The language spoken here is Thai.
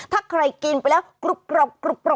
ถ้าใครกินไปแล้วกรุบกรอบ